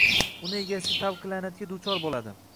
Uni egasi tavqi laʼnatga duchor boʻladi.